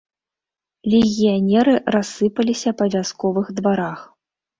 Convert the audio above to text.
Легіянеры рассыпаліся па вясковых дварах.